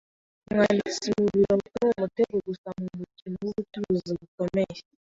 Umwanditsi mu biro ni umutego gusa mu mukino wubucuruzi bukomeye.